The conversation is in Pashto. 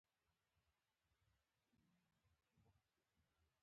احساسات، تعصب او کرکه ټولنیز جبر دی.